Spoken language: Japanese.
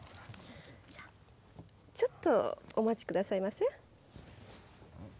ちょっとお待ちくださいませ。